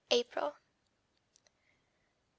APRIL. 1.